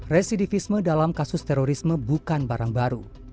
residivisme dalam kasus terorisme bukan barang baru